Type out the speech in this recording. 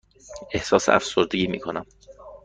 احساس افسردگی می کنم.